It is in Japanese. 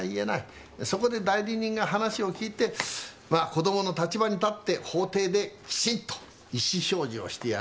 そこで代理人が話を聞いてまっ子供の立場に立って法廷できちんと意思表示をしてやるんです。